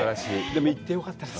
行ってよかったです。